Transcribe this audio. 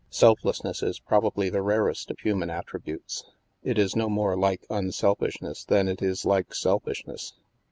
Selflessness is probably the rarest of human at tributes. It is no more like unselfishness than it is like selfishness.